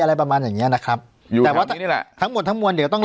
อะไรประมาณอย่างเงี้ยนะครับอยู่แต่ว่านี่แหละทั้งหมดทั้งมวลเดี๋ยวต้องรอ